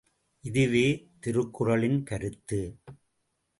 இதுவே திருக்குறளின் கருத்து.